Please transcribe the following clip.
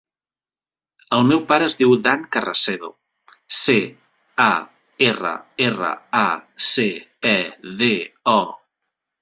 El meu pare es diu Dan Carracedo: ce, a, erra, erra, a, ce, e, de, o.